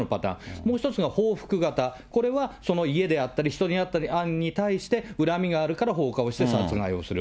もう１つが報復型、これは家であったり、人であったり、暗に恨みがあるから放火をして殺害をする。